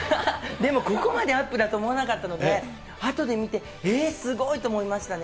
でもここまでアップだと思わなかったので、あとで見て、えっ、すごいと思いましたね。